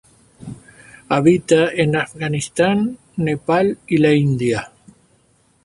Habita en Afganistán, Nepal y la India.